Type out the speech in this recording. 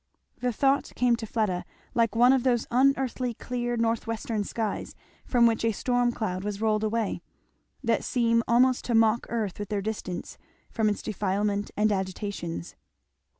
The thought came to Fleda like one of those unearthly clear Northwestern skies from which a storm cloud has rolled away, that seem almost to mock Earth with their distance from its defilement and agitations.